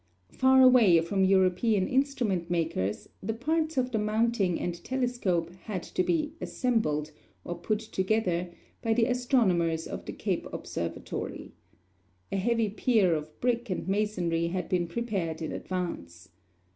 Far away from European instrument makers, the parts of the mounting and telescope had to be "assembled," or put together, by the astronomers of the Cape Observatory. A heavy pier of brick and masonry had been prepared in advance.